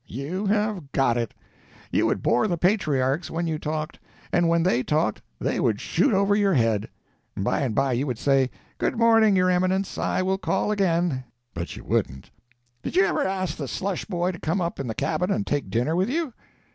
"You have got it. You would bore the patriarchs when you talked, and when they talked they would shoot over your head. By and by you would say, 'Good morning, your Eminence, I will call again'—but you wouldn't. Did you ever ask the slush boy to come up in the cabin and take dinner with you?"